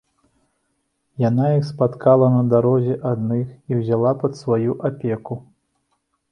Яна іх спаткала на дарозе адных і ўзяла пад сваю апеку.